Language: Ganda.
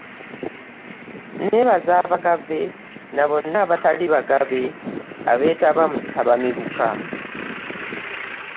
“Nneebaza Abagave na bonna abatali bagave abeetaba mu ttabamiruka"